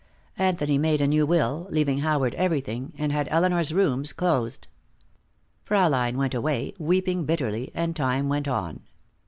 Anthony made a new will, leaving Howard everything, and had Elinor's rooms closed. Fraulein went away, weeping bitterly, and time went on.